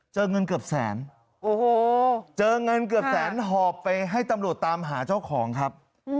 เจอเงินเกือบแสนโอ้โหเจอเงินเกือบแสนหอบไปให้ตำรวจตามหาเจ้าของครับ